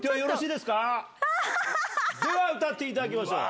では歌っていただきましょう。